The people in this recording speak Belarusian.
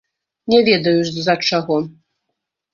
Не ведаю, з-за чаго.